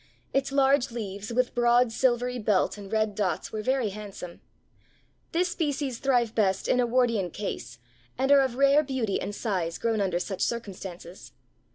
Its large leaves with broad silvery belt and red dots, were very handsome. This species thrive best in a Wardian case and are of rare beauty and size, grown under such circumstances.